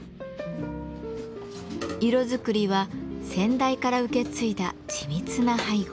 色作りは先代から受け継いだ緻密な配合。